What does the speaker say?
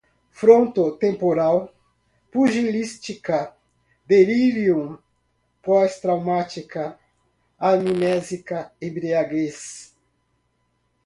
imunodeficiência, frontotemporal, pugilística, delirium, pós-traumática, amnésica, embriaguez